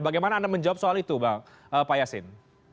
bagaimana anda menjawab soal itu pak yasin